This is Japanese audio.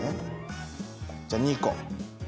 じゃあ２個。